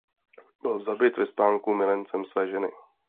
Byl zabit ve spánku milencem své ženy.